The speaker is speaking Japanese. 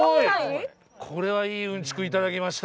これはいいうんちく頂きました。